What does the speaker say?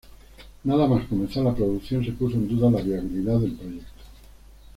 Nada más comenzar la producción se puso en duda la viabilidad del proyecto.